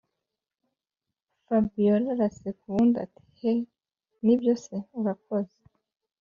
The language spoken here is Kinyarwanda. fabiora araseka ubundi ati”he nibyo se urakoze”